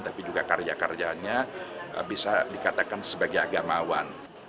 tapi juga karya karyanya bisa dikatakan sebagai agamawan